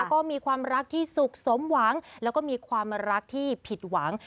ก็มีความรักที่สุขสมหวังแล้วก็มีความรักที่ผิดหวัง